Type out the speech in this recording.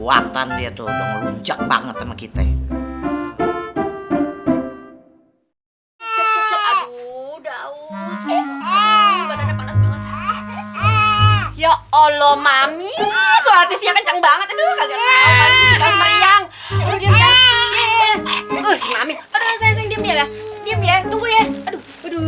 aduh mami ampun